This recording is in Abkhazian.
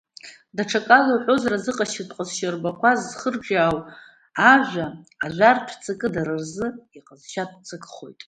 Даҽакала иаҳҳәозар, азыҟашьатә ҟазшьарбақәа зхырҿиаау ажәа ажәартә ҵакы дара рзы иҟазшьатә ҵакхоит…